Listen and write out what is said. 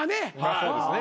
そうですね